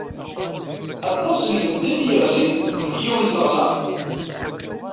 Aṭas n medden i yeɣlin deg yiwen n leɣlaḍ.